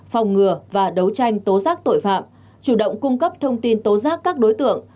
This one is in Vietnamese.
phòng ngừa và đấu tranh tố giác tội phạm chủ động cung cấp thông tin tố giác các đối tượng